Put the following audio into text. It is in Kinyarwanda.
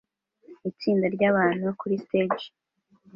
Itsinda ryabantu kuri stage